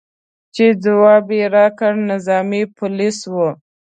چې ځواب راکړي، نظامي پولیس و.